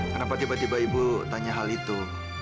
kenapa tiba tiba ibu tanya hal itu